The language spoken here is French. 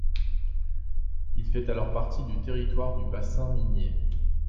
Il fait alors partie du territoire du bassin minier.